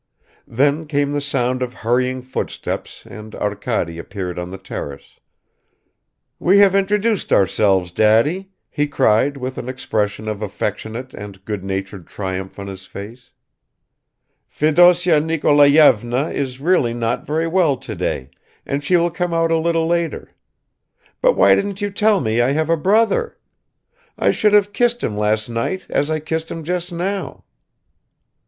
Then came the sound of hurrying footsteps and Arkady appeared on the terrace. "We have introduced ourselves, Daddy!" he cried with an expression of affectionate and good natured triumph on his face. "Fedosya Nikolayevna is really not very well today, and she will come out a little later. But why didn't you tell me I have a brother? I should have kissed him last night as I kissed him just now!"